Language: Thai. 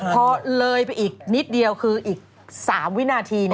พอเลยไปอีกนิดเดียวคืออีก๓วินาที